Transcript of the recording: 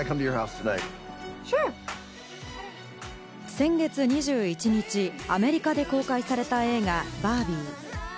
先月２１日、アメリカで公開された映画『バービー』。